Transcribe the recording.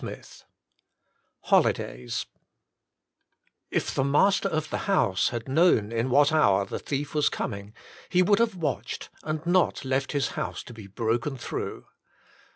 XXIV HOLIDAYS "If the master of the house had known in what hour the thief was coming he would have watched and not left his house to be broken through."